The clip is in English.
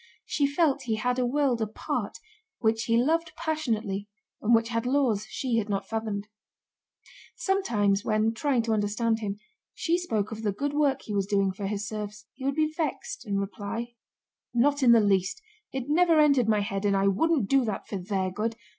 She felt he had a world apart, which he loved passionately and which had laws she had not fathomed. Sometimes when, trying to understand him, she spoke of the good work he was doing for his serfs, he would be vexed and reply: "Not in the least; it never entered my head and I wouldn't do that for their good!